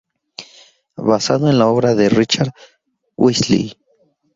Basado en la obra de Richard Wesley.